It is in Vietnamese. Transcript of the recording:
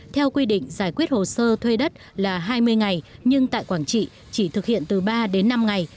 theo quy định giải quyết hồ sơ thuê đất là hai mươi ngày nhưng tại quảng trị chỉ thực hiện từ ba đến năm ngày